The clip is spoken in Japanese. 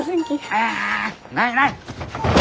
ああないない！